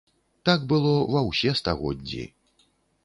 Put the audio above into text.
Так было ва ўсе стагоддзі.